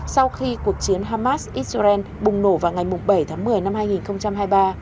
sau khi cuộc chiến hamas israel bùng nổ vào ngày bảy tháng một mươi năm hai nghìn hai mươi ba